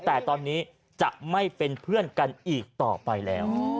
แต่ตอนนี้จะไม่เป็นเพื่อนกันอีกต่อไปแล้ว